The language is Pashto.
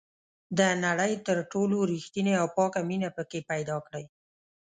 د نړۍ تر ټولو ریښتینې او پاکه مینه پکې پیدا کړئ.